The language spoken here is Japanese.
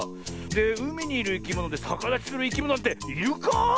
うみにいるいきものでさかだちするいきものっているか？